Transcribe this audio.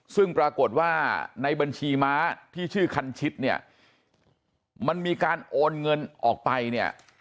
ซึ่งปรากฏว่าในบัญชีม้าที่ชื่อคันชิดเนี่ยมันมีการโอนเงินออกไปเนี่ย